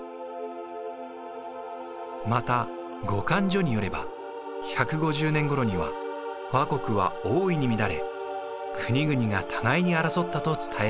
また「後漢書」によれば１５０年ごろには倭国は大いに乱れ国々が互いに争ったと伝えられています。